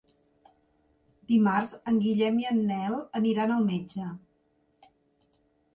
Dimarts en Guillem i en Nel aniran al metge.